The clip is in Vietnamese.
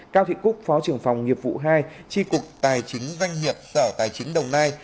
cao thị cúc phó trưởng phòng nghiệp vụ hai tri cục tài chính doanh nghiệp sở tài chính đồng nai